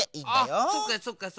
あそっかそっかそっか。